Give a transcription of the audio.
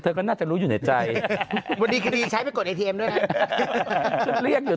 องค์เชื่อมาแล้ว